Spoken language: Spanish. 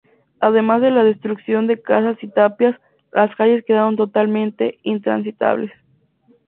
Además de la destrucción de casas y tapias, las calles quedaron totalmente intransitables.